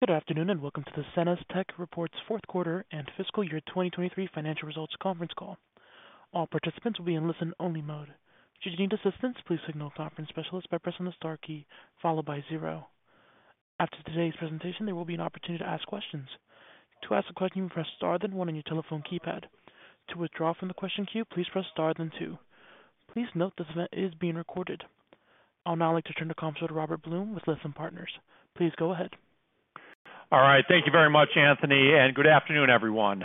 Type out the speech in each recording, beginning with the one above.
Good afternoon, and welcome to the SenesTech Reports Fourth Quarter and Fiscal Year 2023 Financial Results Conference Call. All participants will be in listen-only mode. Should you need assistance, please signal a conference specialist by pressing the star key followed by 0. After today's presentation, there will be an opportunity to ask questions. To ask a question, press star then one on your telephone keypad. To withdraw from the question queue, please press star then two. Please note this event is being recorded. I'll now like to turn the call to Robert Blum with Lytham Partners. Please go ahead. All right. Thank you very much, Anthony, and good afternoon, everyone.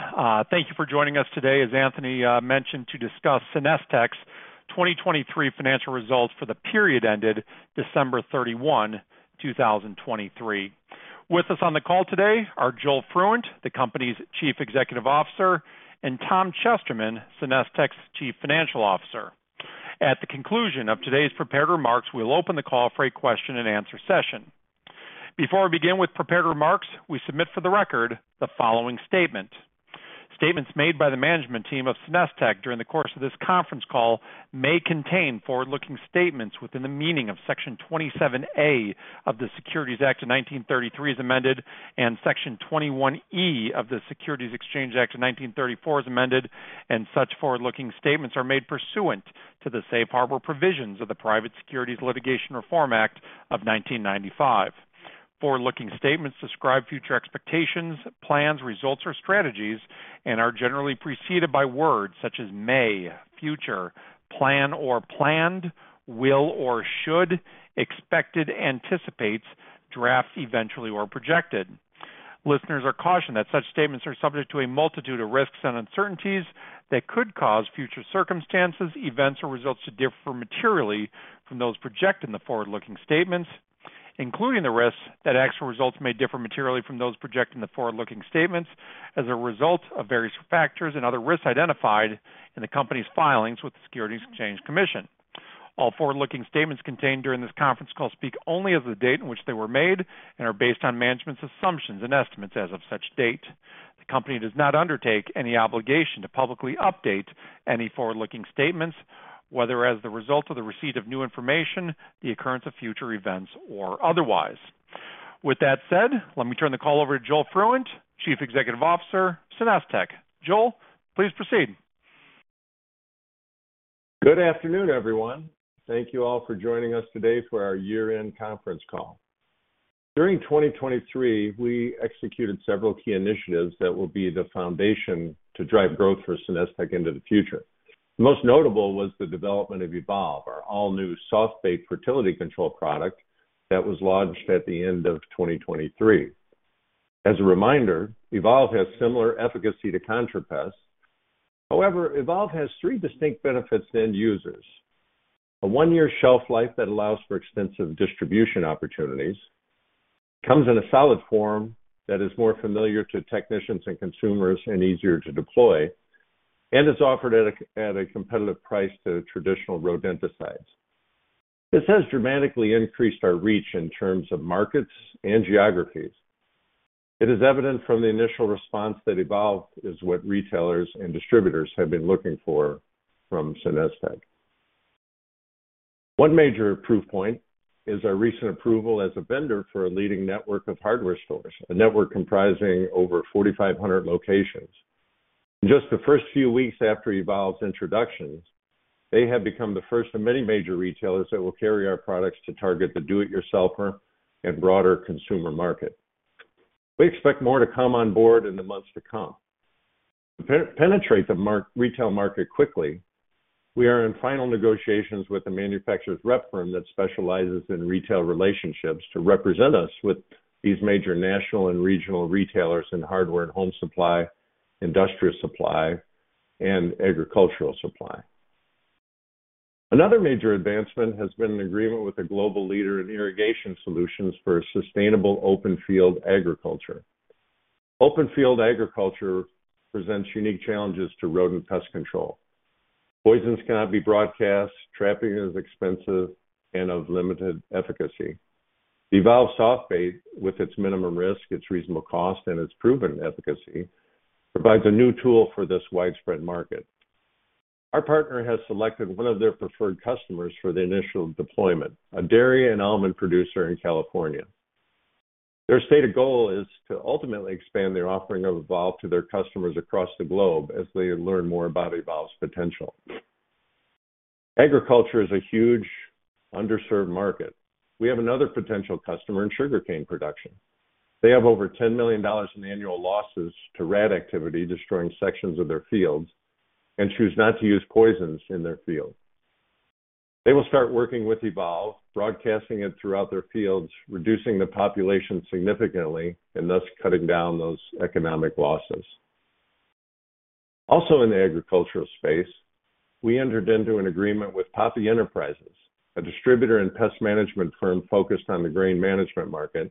Thank you for joining us today, as Anthony mentioned, to discuss SenesTech's 2023 financial results for the period ended December 31, 2023. With us on the call today are Joel Fruendt, the company's Chief Executive Officer, and Tom Chesterman, SenesTech's Chief Financial Officer. At the conclusion of today's prepared remarks, we'll open the call for a question-and-answer session. Before we begin with prepared remarks, we submit for the record the following statement. Statements made by the management team of SenesTech during the course of this conference call may contain forward-looking statements within the meaning of Section 27A of the Securities Act of 1933, as amended, and Section 21E of the Securities Exchange Act of 1934, as amended, and such forward-looking statements are made pursuant to the safe harbor provisions of the Private Securities Litigation Reform Act of 1995. Forward-looking statements describe future expectations, plans, results, or strategies and are generally preceded by words such as may, future, plan or planned, will or should, expected, anticipates, draft, eventually, or projected. Listeners are cautioned that such statements are subject to a multitude of risks and uncertainties that could cause future circumstances, events, or results to differ materially from those projected in the forward-looking statements, including the risks that actual results may differ materially from those projected in the forward-looking statements as a result of various factors and other risks identified in the company's filings with the Securities and Exchange Commission. All forward-looking statements contained during this conference call speak only as of the date in which they were made and are based on management's assumptions and estimates as of such date. The company does not undertake any obligation to publicly update any forward-looking statements, whether as a result of the receipt of new information, the occurrence of future events, or otherwise. With that said, let me turn the call over to Joel Fruendt, Chief Executive Officer, SenesTech. Joel, please proceed. Good afternoon, everyone. Thank you all for joining us today for our year-end conference call. During 2023, we executed several key initiatives that will be the foundation to drive growth for SenesTech into the future. Most notable was the development of Evolve, our all-new soft bait fertility control product that was launched at the end of 2023. As a reminder, Evolve has similar efficacy to ContraPest. However, Evolve has three distinct benefits to end users: a one-year shelf life that allows for extensive distribution opportunities, comes in a solid form that is more familiar to technicians and consumers and easier to deploy, and is offered at a competitive price to traditional rodenticides. This has dramatically increased our reach in terms of markets and geographies. It is evident from the initial response that Evolve is what retailers and distributors have been looking for from SenesTech. One major proof point is our recent approval as a vendor for a leading network of hardware stores, a network comprising over 4,500 locations. Just the first few weeks after Evolve's introductions, they have become the first of many major retailers that will carry our products to target the do-it-yourselfer and broader consumer market. We expect more to come on board in the months to come. To penetrate the retail market quickly, we are in final negotiations with a manufacturer's rep firm that specializes in retail relationships to represent us with these major national and regional retailers in hardware and home supply, industrial supply, and agricultural supply. Another major advancement has been an agreement with a global leader in irrigation solutions for sustainable open field agriculture. Open field agriculture presents unique challenges to rodent pest control. Poisons cannot be broadcast. Trapping is expensive and of limited efficacy. Evolve soft bait, with its minimum risk, its reasonable cost, and its proven efficacy, provides a new tool for this widespread market. Our partner has selected one of their preferred customers for the initial deployment, a dairy and almond producer in California. Their stated goal is to ultimately expand their offering of Evolve to their customers across the globe as they learn more about Evolve's potential. Agriculture is a huge underserved market. We have another potential customer in sugarcane production. They have over $10 million in annual losses to rat activity, destroying sections of their fields and choose not to use poisons in their field. They will start working with Evolve, broadcasting it throughout their fields, reducing the population significantly and thus cutting down those economic losses. Also, in the agricultural space, we entered into an agreement with Poppe Enterprises, a distributor and pest management firm focused on the grain management market,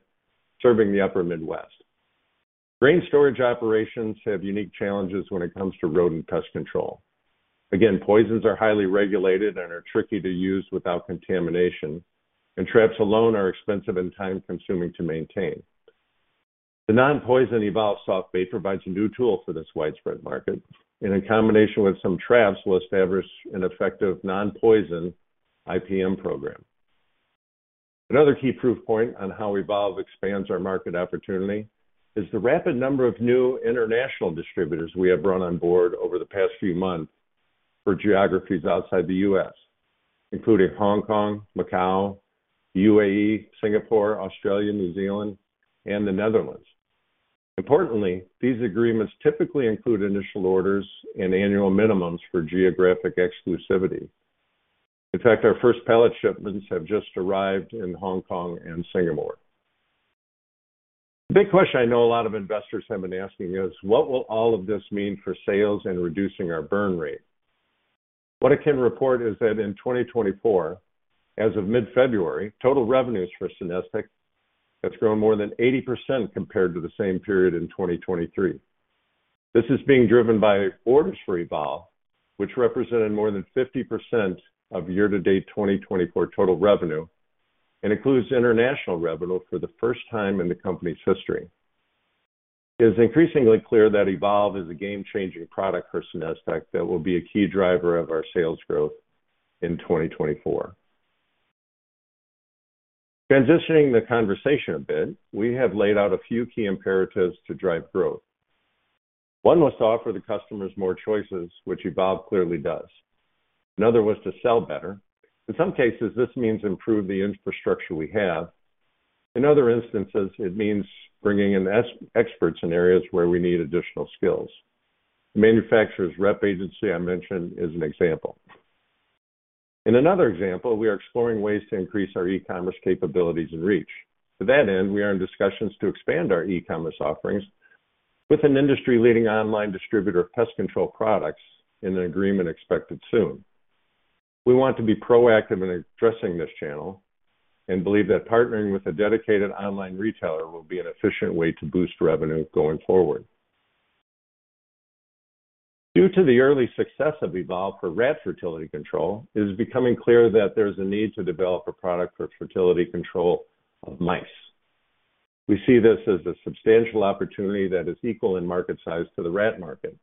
serving the upper Midwest. Grain storage operations have unique challenges when it comes to rodent pest control. Again, poisons are highly regulated and are tricky to use without contamination, and traps alone are expensive and time-consuming to maintain. The non-poison Evolve soft bait provides a new tool for this widespread market, and in combination with some traps, will establish an effective non-poison IPM program. Another key proof point on how Evolve expands our market opportunity is the rapid number of new international distributors we have brought on board over the past few months for geographies outside the U.S., including Hong Kong, Macau, UAE, Singapore, Australia, New Zealand, and the Netherlands. Importantly, these agreements typically include initial orders and annual minimums for geographic exclusivity. In fact, our first pallet shipments have just arrived in Hong Kong and Singapore. The big question I know a lot of investors have been asking is: what will all of this mean for sales and reducing our burn rate? What I can report is that in 2024, as of mid-February, total revenues for SenesTech have grown more than 80% compared to the same period in 2023. This is being driven by orders for Evolve, which represented more than 50% of year-to-date 2024 total revenue, and includes international revenue for the first time in the company's history. It is increasingly clear that Evolve is a game-changing product for SenesTech that will be a key driver of our sales growth in 2024. Transitioning the conversation a bit, we have laid out a few key imperatives to drive growth. One was to offer the customers more choices, which Evolve clearly does. Another was to sell better. In some cases, this means improve the infrastructure we have. In other instances, it means bringing in experts in areas where we need additional skills. The manufacturer's rep agency I mentioned is an example. In another example, we are exploring ways to increase our e-commerce capabilities and reach. To that end, we are in discussions to expand our e-commerce offerings with an industry-leading online distributor of pest control products in an agreement expected soon. We want to be proactive in addressing this channel and believe that partnering with a dedicated online retailer will be an efficient way to boost revenue going forward. Due to the early success of Evolve for rat fertility control, it is becoming clear that there's a need to develop a product for fertility control of mice. We see this as a substantial opportunity that is equal in market size to the rat market.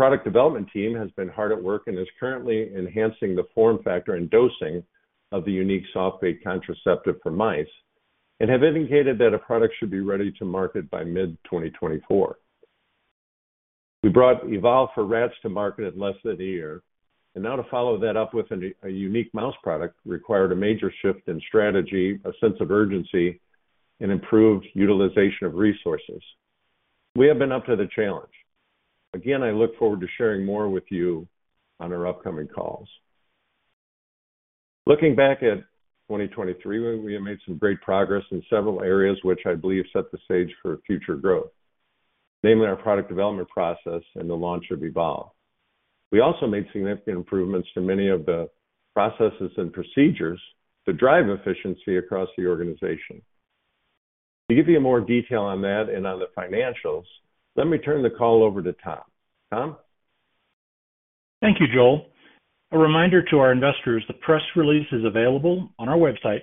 Our product development team has been hard at work and is currently enhancing the form factor and dosing of the unique soft bait contraceptive for mice, and have indicated that a product should be ready to market by mid-2024. We brought Evolve for rats to market in less than a year, and now to follow that up with a unique mouse product required a major shift in strategy, a sense of urgency, and improved utilization of resources. We have been up to the challenge. Again, I look forward to sharing more with you on our upcoming calls. Looking back at 2023, we have made some great progress in several areas, which I believe set the stage for future growth, namely our product development process and the launch of Evolve. We also made significant improvements to many of the processes and procedures to drive efficiency across the organization. To give you more detail on that and on the financials, let me turn the call over to Tom. Tom? Thank you, Joel. A reminder to our investors, the press release is available on our website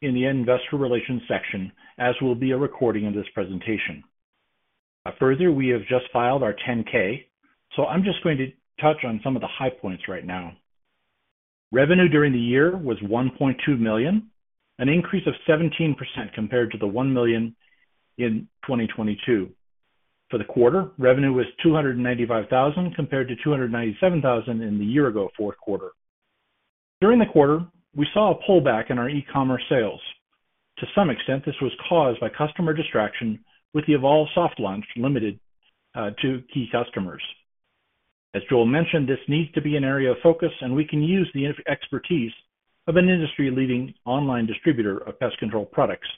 in the Investor Relations section, as will be a recording of this presentation. Further, we have just filed our 10-K, so I'm just going to touch on some of the high points right now. Revenue during the year was $1.2 million, an increase of 17% compared to the $1 million in 2022. For the quarter, revenue was $295,000, compared to $297,000 in the year-ago fourth quarter. During the quarter, we saw a pullback in our e-commerce sales. To some extent, this was caused by customer distraction with the Evolve soft launch, limited to key customers. As Joel mentioned, this needs to be an area of focus, and we can use the expertise of an industry-leading online distributor of pest control products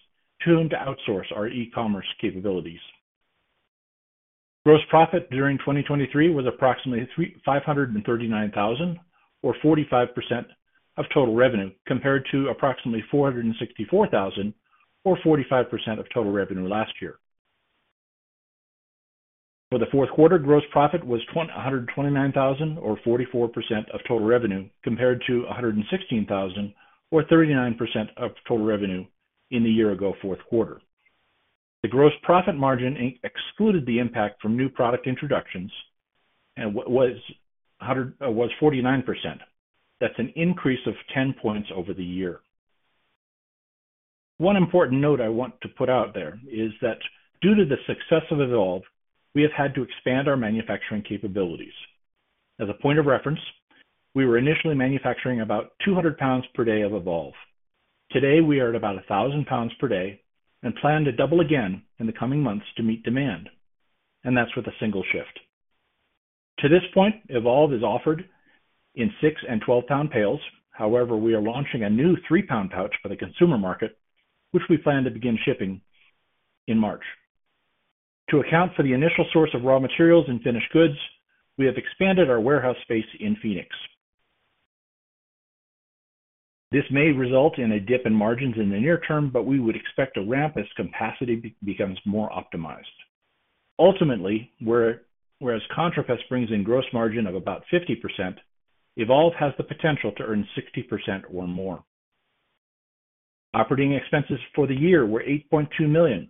to whom to outsource our e-commerce capabilities. Gross profit during 2023 was approximately $359,000, or 45% of total revenue, compared to approximately $464,000, or 45% of total revenue last year. For the fourth quarter, gross profit was $129,000, or 44% of total revenue, compared to $116,000 or 39% of total revenue in the year-ago fourth quarter. The gross profit margin excluded the impact from new product introductions and was 49%. That's an increase of 10 points over the year. One important note I want to put out there is that due to the success of Evolve, we have had to expand our manufacturing capabilities. As a point of reference, we were initially manufacturing about 200 pounds per day of Evolve. Today, we are at about 1,000 pounds per day and plan to double again in the coming months to meet demand, and that's with a single shift. To this point, Evolve is offered in 6- and 12-pound pails. However, we are launching a new 3-pound pouch for the consumer market, which we plan to begin shipping in March. To account for the initial source of raw materials and finished goods, we have expanded our warehouse space in Phoenix. This may result in a dip in margins in the near term, but we would expect a ramp as capacity becomes more optimized. Ultimately, whereas ContraPest brings in gross margin of about 50%, Evolve has the potential to earn 60% or more. Operating expenses for the year were $8.2 million,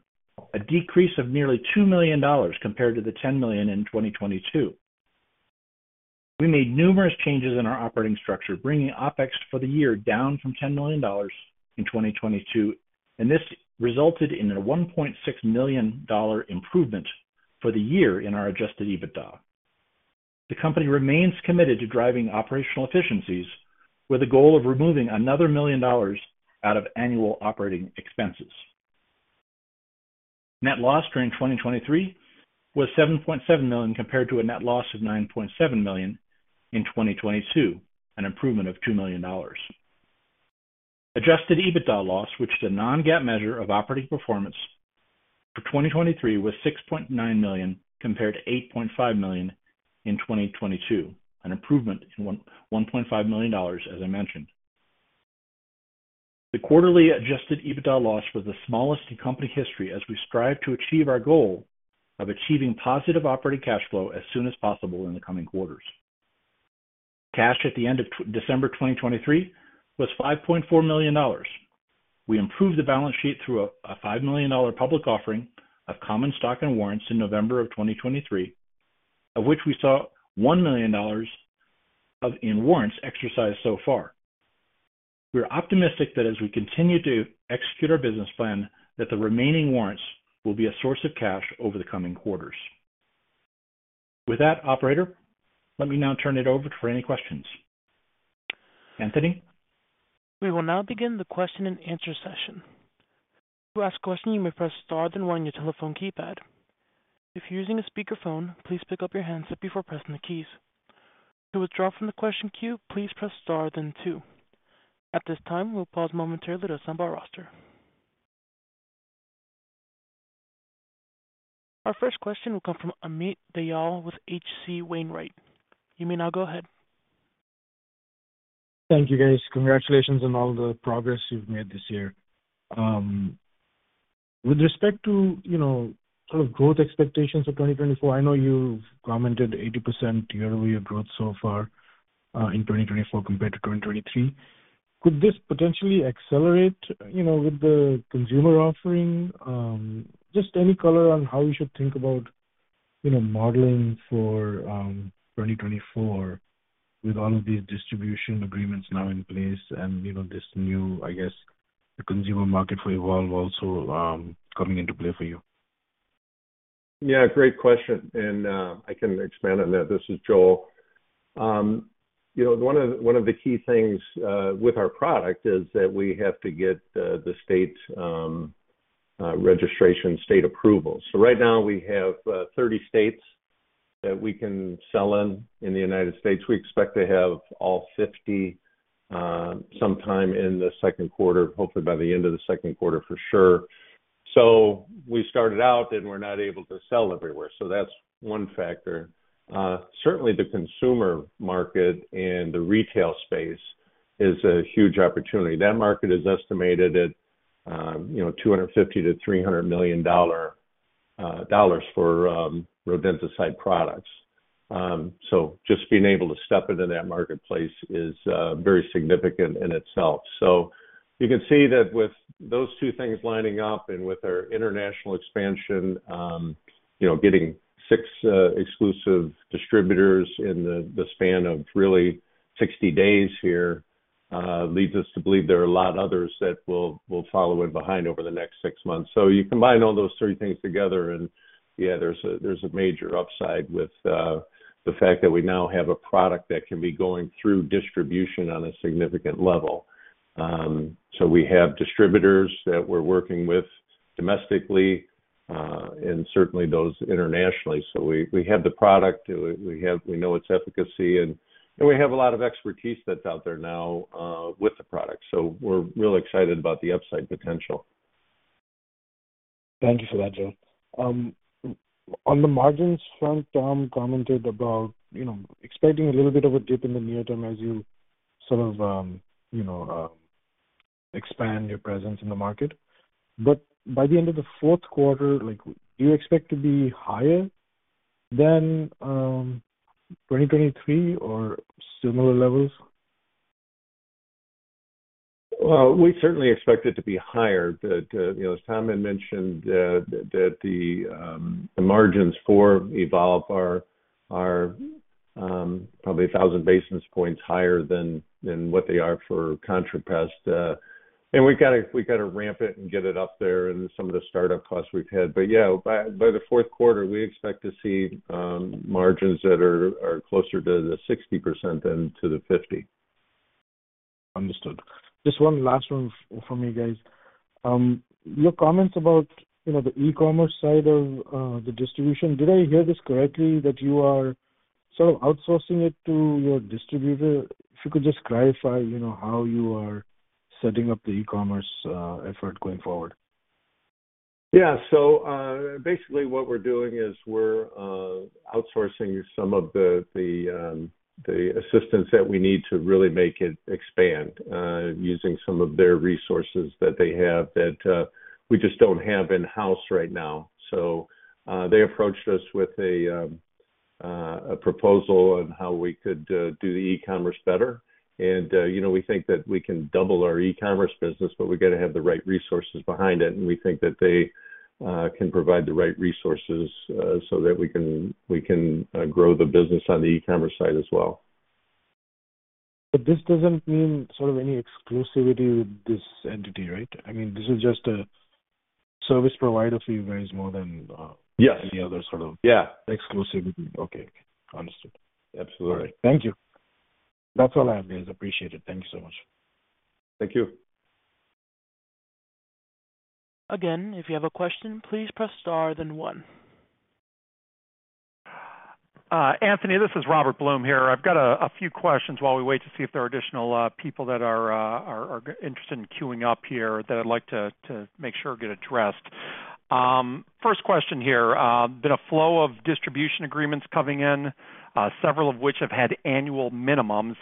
a decrease of nearly $2 million compared to the $10 million in 2022. We made numerous changes in our operating structure, bringing OpEx for the year down from $10 million in 2022, and this resulted in a $1.6 million improvement for the year in our adjusted EBITDA. The company remains committed to driving operational efficiencies, with a goal of removing another $1 million out of annual operating expenses. Net loss during 2023 was $7.7 million, compared to a net loss of $9.7 million in 2022, an improvement of $2 million. Adjusted EBITDA loss, which is a non-GAAP measure of operating performance for 2023, was $6.9 million compared to $8.5 million in 2022, an improvement of $1.5 million, as I mentioned. The quarterly adjusted EBITDA loss was the smallest in company history, as we strive to achieve our goal of achieving positive operating cash flow as soon as possible in the coming quarters. Cash at the end of December 2023 was $5.4 million. We improved the balance sheet through a $5 million public offering of common stock and warrants in November of 2023, of which we saw $1 million in warrants exercised so far. We are optimistic that as we continue to execute our business plan, that the remaining warrants will be a source of cash over the coming quarters. With that, operator, let me now turn it over for any questions. Anthony? We will now begin the question and answer session. To ask a question, you may press star, then one on your telephone keypad. If you're using a speakerphone, please pick up your handset before pressing the keys. To withdraw from the question queue, please press star then two. At this time, we'll pause momentarily to assemble our roster. Our first question will come from Amit Dayal with H.C. Wainwright. You may now go ahead. Thank you, guys. Congratulations on all the progress you've made this year. With respect to, you know, sort of growth expectations for 2024, I know you've commented 80% year-over-year growth so far in 2024 compared to 2023. Could this potentially accelerate, you know, with the consumer offering? Just any color on how we should think about, you know, modeling for 2024 with all of these distribution agreements now in place and, you know, this new, I guess, consumer market for Evolve also coming into play for you. Yeah, great question, and I can expand on that. This is Joel. You know, one of, one of the key things with our product is that we have to get the state registration, state approval. So right now we have 30 states that we can sell in, in the United States. We expect to have all 50 sometime in the second quarter, hopefully by the end of the second quarter, for sure. So we started out, and we're not able to sell everywhere, so that's one factor. Certainly, the consumer market and the retail space is a huge opportunity. That market is estimated at, you know, $250 million-$300 million for rodenticide products. So just being able to step into that marketplace is very significant in itself. So you can see that with those two things lining up and with our international expansion, you know, getting 6 exclusive distributors in the span of really 60 days here, leads us to believe there are a lot of others that will follow in behind over the next 6 months. So you combine all those three things together and, yeah, there's a major upside with the fact that we now have a product that can be going through distribution on a significant level. So we have distributors that we're working with domestically, and certainly those internationally. So we have the product, we have we know its efficacy, and we have a lot of expertise that's out there now with the product. So we're real excited about the upside potential. Thank you for that, Joel. On the margins front, Tom commented about, you know, expecting a little bit of a dip in the near term as you sort of, you know, expand your presence in the market. But by the end of the fourth quarter, like, do you expect to be higher than 2023 or similar levels? Well, we certainly expect it to be higher. You know, as Tom had mentioned, the margins for Evolve are probably a thousand basis points higher than what they are for ContraPest. And we've got to ramp it and get it up there and some of the startup costs we've had. But yeah, by the fourth quarter, we expect to see margins that are closer to the 60% than to the 50%. Understood. Just one last one from me, guys. Your comments about, you know, the e-commerce side of the distribution, did I hear this correctly, that you are sort of outsourcing it to your distributor? If you could just clarify, you know, how you are setting up the e-commerce effort going forward. Yeah. So, basically what we're doing is we're outsourcing some of the, the, assistance that we need to really make it expand, using some of their resources that they have that, we just don't have in-house right now. So, they approached us with a, a proposal on how we could do the e-commerce better. And, you know, we think that we can double our e-commerce business, but we've got to have the right resources behind it, and we think that they can provide the right resources, so that we can, we can, grow the business on the e-commerce side as well. But this doesn't mean sort of any exclusivity with this entity, right? I mean, this is just a service provider for you guys more than, Yes. Any other sort of- Yeah. Exclusivity. Okay. Understood. Absolutely. Thank you. That's all I have, guys. Appreciate it. Thank you so much. Thank you. Again, if you have a question, please press star then One. Anthony, this is Robert Blum here. I've got a few questions while we wait to see if there are additional people that are interested in queuing up here that I'd like to make sure get addressed. First question here. Been a flow of distribution agreements coming in, several of which have had annual minimums,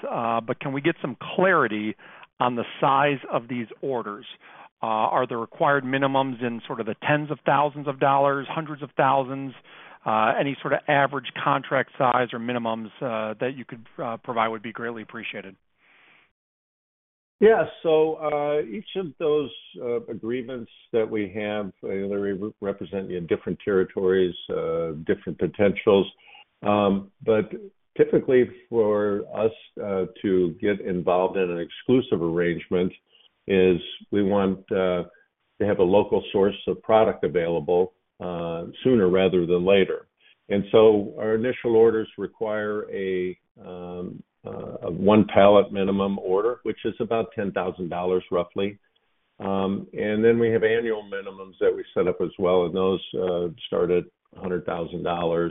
but can we get some clarity on the size of these orders? Are the required minimums in sort of the $10,000s, $100,000s? Any sort of average contract size or minimums that you could provide would be greatly appreciated. Yeah. So, each of those agreements that we have, they represent you in different territories, different potentials. But typically for us, to get involved in an exclusive arrangement is we want to have a local source of product available sooner rather than later. And so our initial orders require a one pallet minimum order, which is about $10,000, roughly. And then we have annual minimums that we set up as well, and those start at $100,000.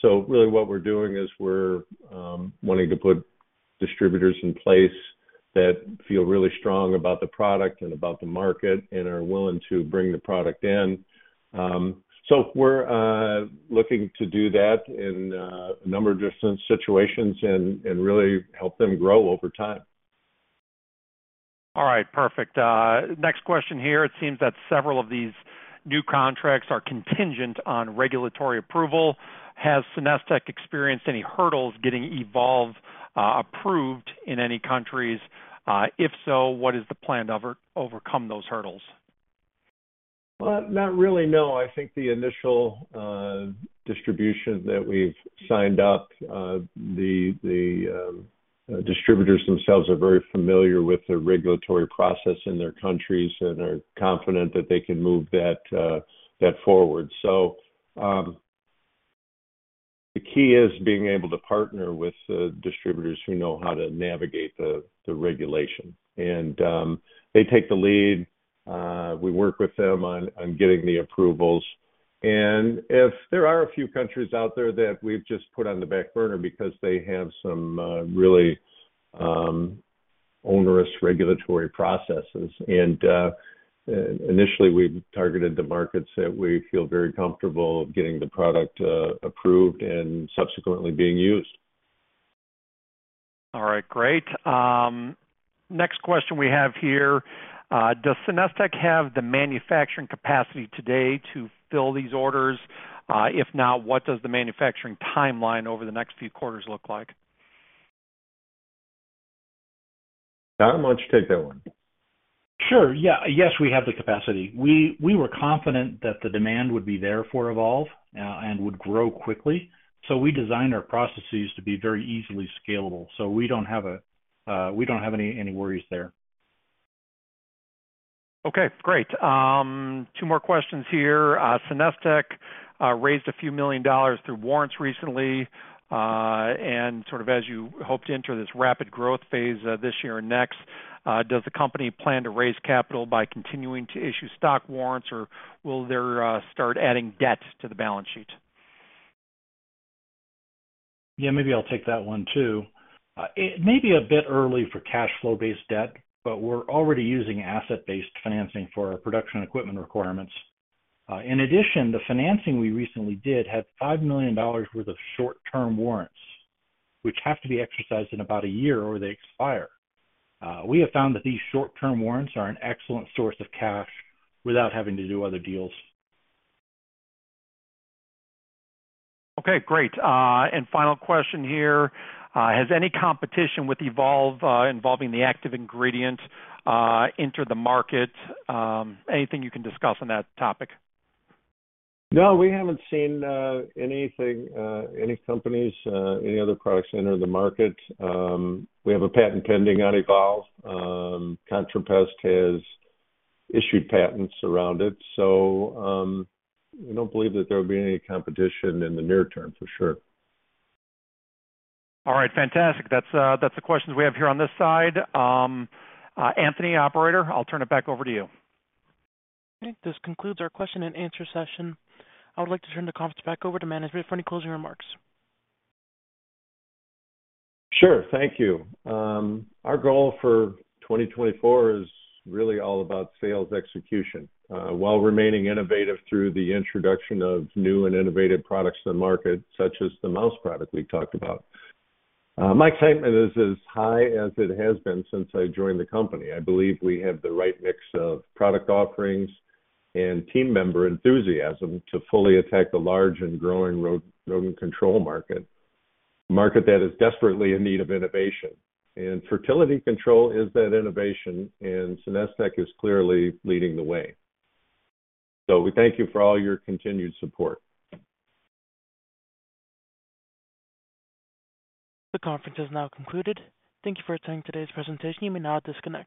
So really what we're doing is we're wanting to put distributors in place that feel really strong about the product and about the market and are willing to bring the product in. So we're looking to do that in a number of different situations and really help them grow over time. All right, perfect. Next question here: It seems that several of these new contracts are contingent on regulatory approval. Has SenesTech experienced any hurdles getting Evolve approved in any countries? If so, what is the plan to overcome those hurdles? Well, not really, no. I think the initial distribution that we've signed up, the distributors themselves are very familiar with the regulatory process in their countries and are confident that they can move that forward. So, the key is being able to partner with distributors who know how to navigate the regulation. And, they take the lead, we work with them on getting the approvals. And if there are a few countries out there that we've just put on the back burner because they have some really onerous regulatory processes, and initially, we've targeted the markets that we feel very comfortable getting the product approved and subsequently being used. All right, great. Next question we have here: Does SenesTech have the manufacturing capacity today to fill these orders? If not, what does the manufacturing timeline over the next few quarters look like? Tom, why don't you take that one? Sure. Yeah. Yes, we have the capacity. We were confident that the demand would be there for Evolve, and would grow quickly, so we designed our processes to be very easily scalable. So we don't have any worries there. Okay, great. Two more questions here: SenesTech raised $ a few million through warrants recently, and sort of as you hope to enter this rapid growth phase, this year and next, does the company plan to raise capital by continuing to issue stock warrants, or will they start adding debt to the balance sheet? Yeah, maybe I'll take that one, too. It may be a bit early for cash flow-based debt, but we're already using asset-based financing for our production equipment requirements. In addition, the financing we recently did had $5 million worth of short-term warrants, which have to be exercised in about a year, or they expire. We have found that these short-term warrants are an excellent source of cash without having to do other deals. Okay, great. And final question here: Has any competition with Evolve, involving the active ingredient, entered the market? Anything you can discuss on that topic? No, we haven't seen anything, any companies, any other products enter the market. We have a patent pending on Evolve. ContraPest has issued patents around it, so we don't believe that there will be any competition in the near term, for sure. All right, fantastic. That's, that's the questions we have here on this side. Anthony, operator, I'll turn it back over to you. Okay. This concludes our question and answer session. I would like to turn the conference back over to management for any closing remarks. Sure. Thank you. Our goal for 2024 is really all about sales execution, while remaining innovative through the introduction of new and innovative products to the market, such as the mouse product we talked about. My excitement is as high as it has been since I joined the company. I believe we have the right mix of product offerings and team member enthusiasm to fully attack the large and growing rodent control market, a market that is desperately in need of innovation. And fertility control is that innovation, and SenesTech is clearly leading the way. So we thank you for all your continued support. The conference has now concluded. Thank you for attending today's presentation. You may now disconnect.